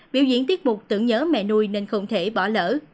biểu diễn tiết bục tưởng nhớ mẹ nuôi nên không thể bỏ lỡ